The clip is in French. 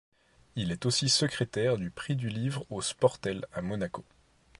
Il est aussi secrétaire du prix du livre au Sportel à Monaco.